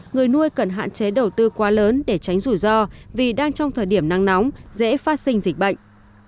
người nuôi cần hạn chế đầu tư quá lớn để tránh rủi ro vì đang trong thời điểm nắng nóng dễ phát sinh dịch bệnh